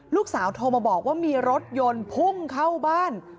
โทรมาบอกว่ามีรถยนต์พุ่งเข้าบ้าน